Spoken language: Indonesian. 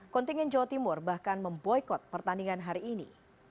kontingen jawa timur bahkan memboykot pertandingan hari ini